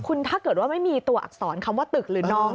คุณถ้าเกิดว่าไม่มีตัวอักษรคำว่าตึกหรือน้อง